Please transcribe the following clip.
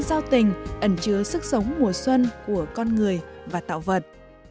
giao tình ẩn chứa sức sống mùa xuân của con người và tạo vật